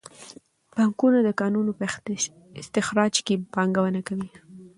بانکونه د کانونو په استخراج کې پانګونه کوي.